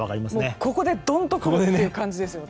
ここで、ドン！とくる感じですよね。